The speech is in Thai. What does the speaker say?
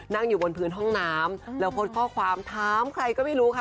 นั่งอยู่บนพื้นห้องน้ำแล้วโพสต์ข้อความถามใครก็ไม่รู้ค่ะ